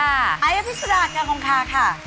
ไอล์พิศาลกาโฮงคาค่ะ